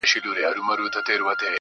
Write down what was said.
چي چي د زړه په دروازې راته راوبهيدې,